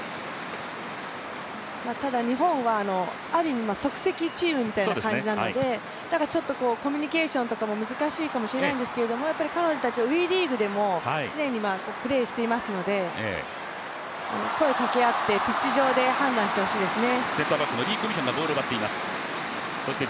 ただ日本はある意味即席チームみたいな感じなのでちょっとコミュニケーションとかも難しいかもしれないんですけど彼女たちはＷＥリーグでも常にプレーしていますので、声かけあってピッチ上で判断してほしいですね。